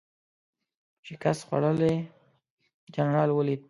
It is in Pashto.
شکست خوړلی جنرال ولید.